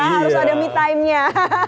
harus ada me time nya